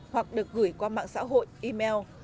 hoặc được gửi qua mạng xã hội email